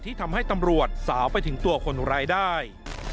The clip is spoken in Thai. ทำให้ตำรวจสาวไปถึงตัวคนร้ายได้